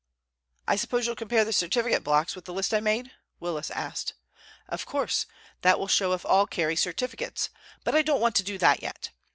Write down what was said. "I suppose you'll compare the certificate blocks with the list I made?" Willis asked. "Of course. That will show if all carry certificates. But I don't want to do that yet.